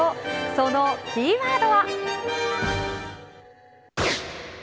そのキーワードは。